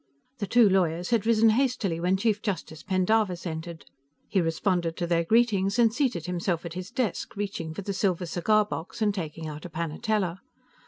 XI The two lawyers had risen hastily when Chief Justice Pendarvis entered; he responded to their greetings and seated himself at his desk, reaching for the silver cigar box and taking out a panatela.